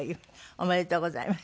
ありがとうございます。